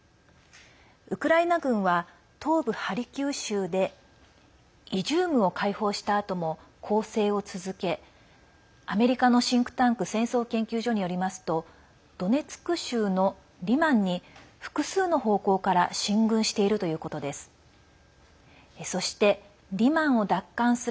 ウクライナ軍は東部ハルキウ州でイジュームを解放したあとも攻勢を続けアメリカのシンクタンク戦争研究所によりますとドネツク州のリマンに複数の方向から進軍しているということです。